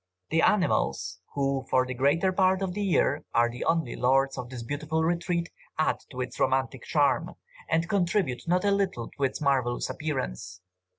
"The animals, who, for the greater part of the year, are the only lords of this beautiful retreat, add to its romantic charm, and contribute not a little to its marvellous appearance.